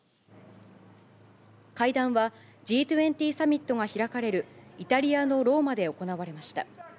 会談はＧ２０サミットが開かれる、イタリアのローマで行われました。